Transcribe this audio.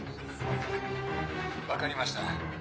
わかりました。